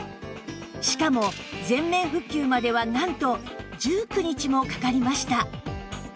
しかも全面復旧まではなんと１９日もかかりました